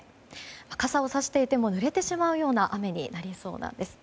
傘をさしていてもぬれてしまうような雨になりそうなんです。